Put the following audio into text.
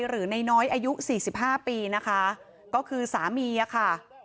หรือน้อยอายุสี่สิบห้าปีนะคะก็คือสามีอะค่ะ